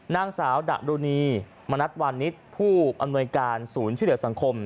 นางสาวดักรุณีมณัธวานิทผู้อำนวยการศูนย์ชีวิตสังคม